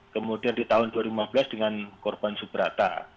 kemudian di tahun dua ribu lima belas dengan korban subrata